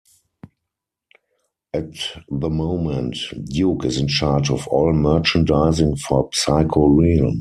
At the moment, Duke is in charge of all merchandising for Psycho Realm.